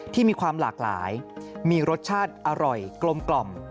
ที่มีความหลากหลายมีรสชาติอร่อยกลม